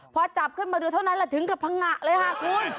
พอจับขึ้นมาดูเท่านั้นก็ถึงกับหัวก่อนเลยค่ะ